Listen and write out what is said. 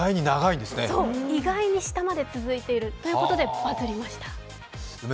意外に下まで続いているということでバズりました。